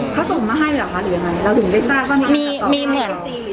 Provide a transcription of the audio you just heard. เขาส่งมาให้หรือยังไงเราถึงไม่ทราบว่ามีใครตัดต่อ